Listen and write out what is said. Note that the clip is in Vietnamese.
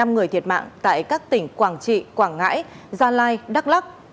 năm người thiệt mạng tại các tỉnh quảng trị quảng ngãi gia lai đắk lắc